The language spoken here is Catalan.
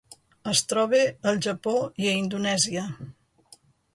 Es troba al Japó i a Indonèsia.